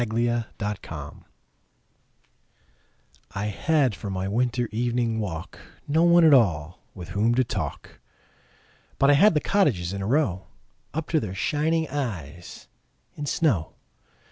Good Hours I HAD for my winter evening walk No one at all with whom to talk, But I had the cottages in a row Up to their shining eyes in snow.